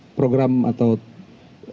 ya program atau tanggungjawab